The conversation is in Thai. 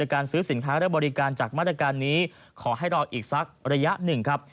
การซื้อสินค้าและบริการจากมาตรการนี้ขอให้รออีกสักระยะหนึ่งครับ